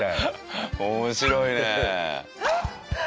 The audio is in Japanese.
面白いね。